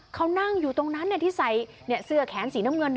เขานั่งอยู่ตรงนั้นที่ใส่เสื้อแขนสีน้ำเงิน